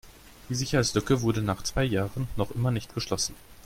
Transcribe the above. Die Sicherheitslücke wurde nach zwei Jahren noch immer nicht geschlossen.